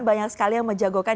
banyak sekali yang menjagokan